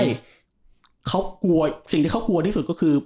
ในสิ่งที่เขากลัวที่สุดก็คือ